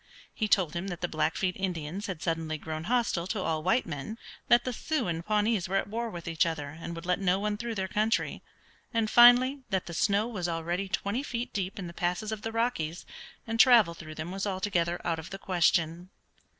He told him that the Blackfeet Indians had suddenly grown hostile to all white men, that the Sioux and Pawnees were at war with each other, and would let no one through their country, and finally that the snow was already twenty feet deep in the passes of the Rockies, and travel through them was altogether out of the question.